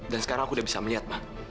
dan sekarang aku udah bisa melihat ma